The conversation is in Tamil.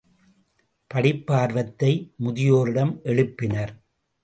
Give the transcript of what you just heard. படிப்பார்வத்தை முதியோரிடம் எழுப்பினர்.